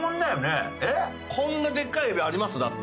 こんなでっかいエビあります？だって。